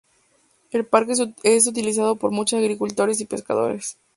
El parque es utilizado por muchos agricultores, y pescadores.